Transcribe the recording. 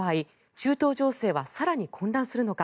中東情勢は更に混乱するのか。